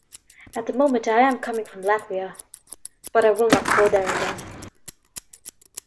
At the moment I am coming from Latvia, but I will not go there again.